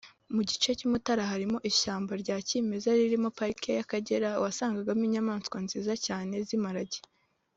mu gice cy’umutara harimo ishyamba rya kimeza ririmo parike y’Akagera wasangagamo inyamaswa nziza cyane z’Imparage